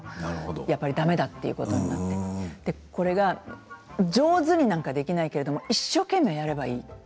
やっぱりだめだということになってこれが上手にできないけれども一生懸命やればいい。